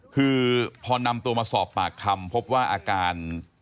คือพอนำตัวมาสอบปากคำพบว่าอาการ